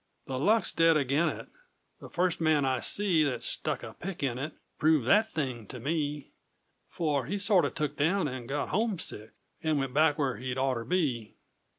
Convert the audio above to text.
The luck's dead agin it! The first man I see That stuck a pick in it Proved that thing to me, For he sorto took down, and got homesick, And went back whar he'd orto be!